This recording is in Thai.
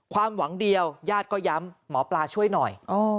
ความหวังเดียวญาติก็ย้ำหมอปลาช่วยหน่อย